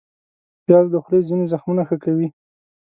پیاز د خولې ځینې زخمونه ښه کوي